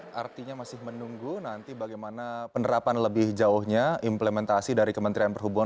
oke artinya masih menunggu nanti bagaimana penerapan lebih jauhnya implementasi dari kementerian perhubungan